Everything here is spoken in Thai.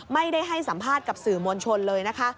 ไม่ได้ให้สัมภาษณ์กับสื่อมวลชนเลย